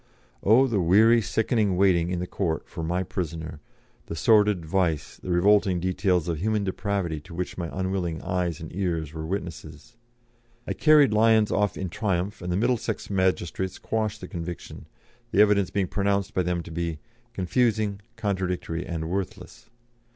Oh, the weary, sickening waiting in the court for "my prisoner," the sordid vice, the revolting details of human depravity to which my unwilling eyes and ears were witnesses. I carried Lyons off in triumph, and the Middlesex magistrates quashed the conviction, the evidence being pronounced by them to be "confusing, contradictory, and worthless."